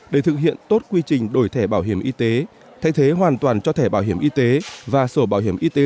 để thực hiện tốt quy trình đổi thẻ bảo hiểm y tế thay thế hoàn toàn cho thẻ bảo hiểm y tế